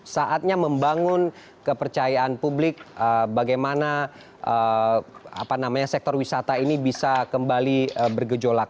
saatnya membangun kepercayaan publik bagaimana sektor wisata ini bisa kembali bergejolak